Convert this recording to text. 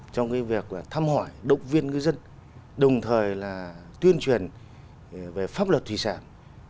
trong việc thăm hỏi động viên ngư dân đồng thời là tuyên truyền về pháp luật thủy sản